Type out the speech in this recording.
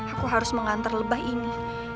aku harus mengantar lebah ini